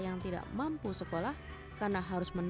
pagi hari dia berpamitan dengan istri tercinta titin sumarni